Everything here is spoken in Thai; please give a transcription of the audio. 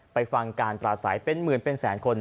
ไปฟังการปราศัยเป็นหมื่นเป็นแสนคน